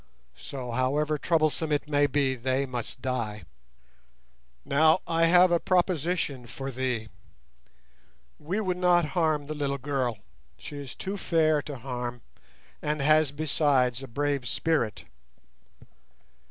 So, however troublesome it may be, they must die. "Now I have a proposition for thee. We would not harm the little girl; she is too fair to harm, and has besides a brave spirit.